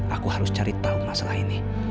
aku harus cari tahu masalah ini